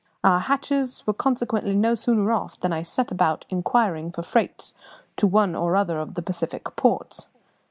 Our hatches were consequently no sooner off than I set about inquiring for freights to one or another of the Pacific ports.